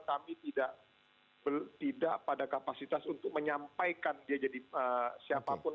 kami tidak pada kapasitas untuk menyampaikan dia jadi siapapun